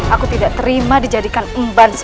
aku tidak akan menerima ini pomockanmu